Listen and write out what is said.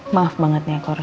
bapak keren brih